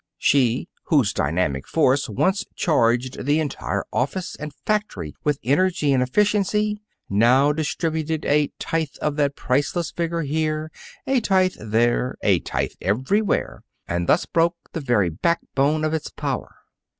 She, whose dynamic force once charged the entire office and factory with energy and efficiency, now distributed a tithe of that priceless vigor here, a tithe there, a tithe everywhere, and thus broke the very backbone of its power.